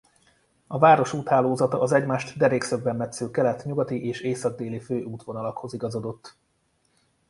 A város úthálózata az egymást derékszögben metsző kelet-nyugati és észak-déli főútvonalakhoz igazodott.